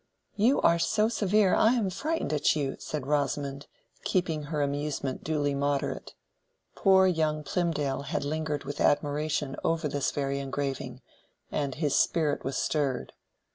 "You are so severe, I am frightened at you," said Rosamond, keeping her amusement duly moderate. Poor young Plymdale had lingered with admiration over this very engraving, and his spirit was stirred.